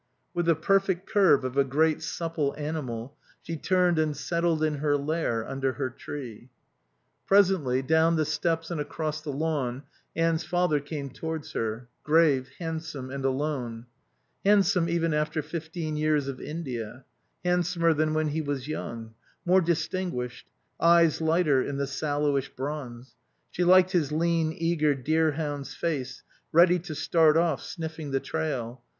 With the perfect curve of a great supple animal, she turned and settled in her lair, under her tree. Presently, down the steps and across the lawn, Anne's father came towards her, grave, handsome, and alone. Handsome even after fifteen years of India. Handsomer than when he was young. More distinguished. Eyes lighter in the sallowish bronze. She liked his lean, eager, deerhound's face, ready to start off, sniffing the trail.